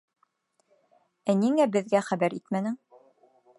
Ә ниңә беҙгә хәбәр итмәнең?